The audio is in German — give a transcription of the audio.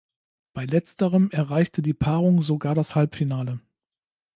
Bei letzterem erreichte die Paarung sogar das Halbfinale.